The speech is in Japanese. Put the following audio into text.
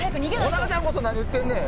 小高ちゃんこそ何言ってるねん！